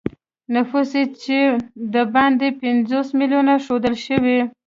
نفوس یې څه د باندې پنځوس میلیونه ښودل شوی.